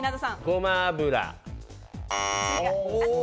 ごま油。